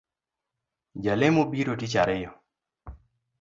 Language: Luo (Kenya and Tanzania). Jalemo biro tich ariyo